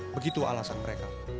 begitu alasan mereka